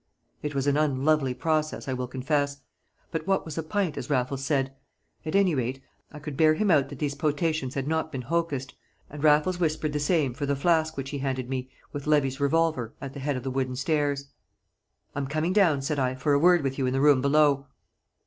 It was an unlovely process, I will confess; but what was a pint, as Raffles said? At any rate I could bear him out that these potations had not been hocussed, and Raffles whispered the same for the flask which he handed me with Levy's revolver at the head of the wooden stairs. "I'm coming down," said I, "for a word with you in the room below."